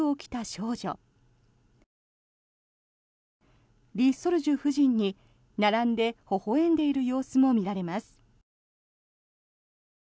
李雪主夫人に並んでほほ笑んでいる様子も見られます。